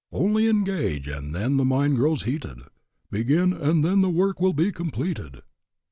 Only engage and then the mind grows heated; Begin and then the work will be completed."